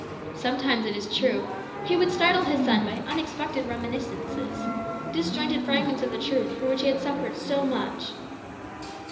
Sometimes, it is true, he would startle his son by unexpected reminiscences, disjointed fragments of the truth for which he had suffered so much.